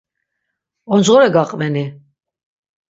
Oncğore gaqveni?